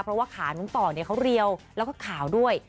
เพราะว่าขาน้องต่อเขาเรียวแล้วก็ขาวด้วย